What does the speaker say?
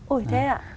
ủa thế ạ